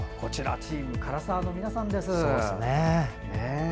チーム唐澤の皆さんです。